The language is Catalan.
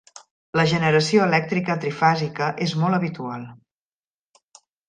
La generació elèctrica trifàsica és molt habitual.